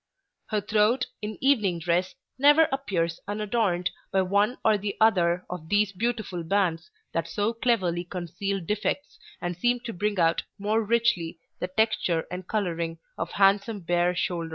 Her throat, in evening dress, never appears unadorned by one or the other of these beautiful bands that so cleverly conceal defects and seem to bring out more richly the texture and coloring of handsome bare shoulders.